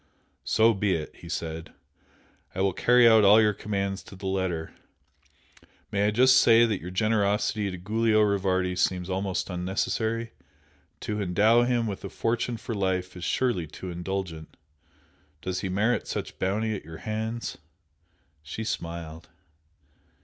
"So be it!" he said "I will carry out all your commands to the letter! May I just say that your generosity to Giulio Rivardi seems almost unnecessary? To endow him with a fortune for life is surely too indulgent! Does he merit such bounty at your hands?" She smiled.